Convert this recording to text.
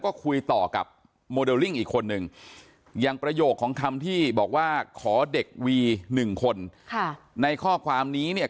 ก็คุยต่อกับโมเดลลิ่งอีกคนนึงอย่างประโยคของคำที่บอกว่าขอเด็กวีหนึ่งคนค่ะในข้อความนี้เนี่ย